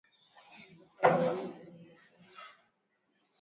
Bhatandu Bhasikwa Bhashora Bhatyama Bhamangi na Bhambogo